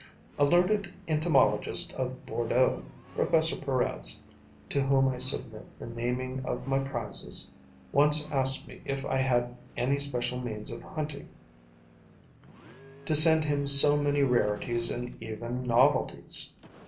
A learned entomologist of Bordeaux, Professor Perez, to whom I submit the naming of my prizes, once asked me if I had any special means of hunting, to send him so many rarities and even novelties.